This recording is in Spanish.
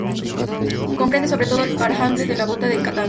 Comprende sobre todo el panhandle de la bota de Katanga.